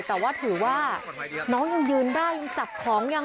แต่ว่าถือว่าน้องยังยืนได้ยังจับของยัง